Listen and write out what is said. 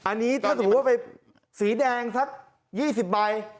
อันนี้ถ้าสมมุติว่าไปสีแดงสัก๒๐ใบ